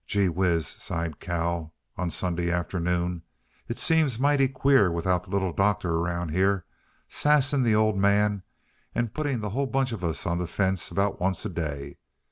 "Gee whiz!" sighed Cal on Sunday afternoon. "It seems mighty queer without the Little Doctor around here, sassing the Old Man and putting the hull bunch of us on the fence about once a day.